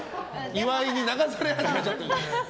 岩井に流され始めちゃってる。